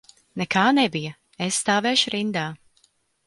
Nekā nebija, es stāvēšu rindā.